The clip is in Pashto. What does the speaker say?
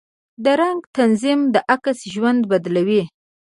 د رنګ تنظیم د عکس ژوند بدلوي.